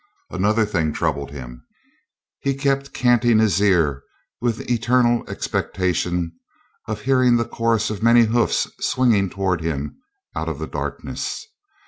Another thing troubled him. He kept canting his ear with eternal expectation of hearing the chorus of many hoofs swinging toward him out of the darkness.